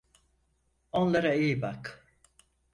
Onlara iyi bak.